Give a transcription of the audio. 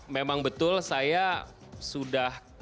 memang betul saya sudah